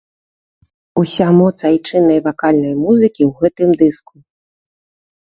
Уся моц айчыннай вакальнай музыкі ў гэтым дыску.